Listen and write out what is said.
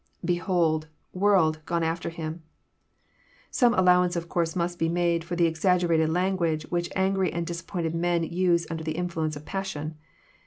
lBefiold.„tDorld.,.gone after him,'] Some allowance of course must be made for the exaggerated language which angry and disappointed men use under the influence of passion.